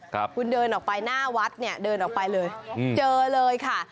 คุณเดินออกไปหน้าวัดเนี่ยเดินออกไปเลยอืมเจอเลยค่ะ